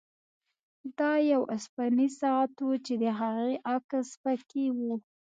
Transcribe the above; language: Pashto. دا یو اوسپنیز ساعت و چې د هغې عکس پکې و